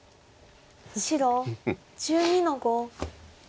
白１２の五。